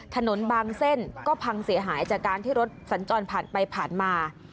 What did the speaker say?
บางเส้นก็พังเสียหายจากการที่รถสัญจรผ่านไปผ่านมา